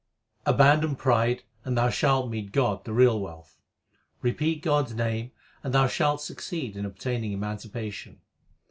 Abandon pride, and thou shalt meet God the real wealth. Repeat God s name, and thou shalt succeed in obtaining emancipation.